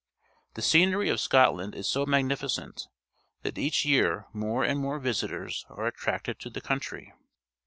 The scenery of Scotland is so magnificent that each year more and more visitors are attracted to the country.